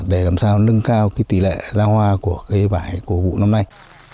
để làm sao nâng cao tỷ lệ la hoa của cây vải của vụ năm nay